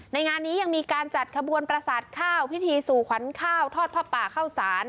ในงานนี้ยังมีการจัดขบวนประสาทข้าวพิธีสู่ขวัญข้าวทอดผ้าป่าเข้าสาร